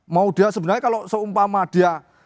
mau dia sebenarnya kalau seumpama dia